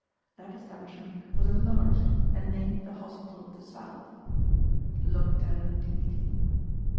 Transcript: That establishment was enlarged, and named the Hospital of the South (l'Hôpital du Midi).